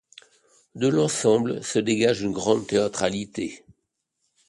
De l'ensemble se dégage une grande théâtralité.